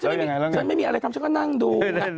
ฉันไม่มีอะไรทำฉันก็นั่งดู